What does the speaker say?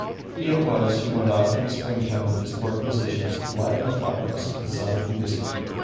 He it was who went off in the springtime with his court musicians to gladden the flowers with soft music.